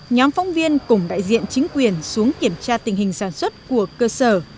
nhóm phóng viên cùng đại diện chính quyền xuống kiểm tra tình hình sản xuất của cơ sở